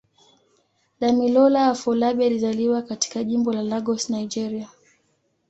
Damilola Afolabi alizaliwa katika Jimbo la Lagos, Nigeria.